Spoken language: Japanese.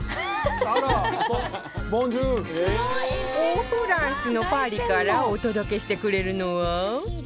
おフランスのパリからお届けしてくれるのは